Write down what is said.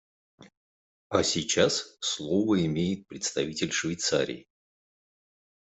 А сейчас слово имеет представитель Швейцарии.